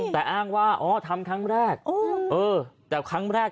แต่อ้างว่าทำครั้งแรก